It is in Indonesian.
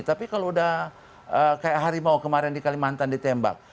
tapi kalau udah kayak harimau kemarin di kalimantan ditembak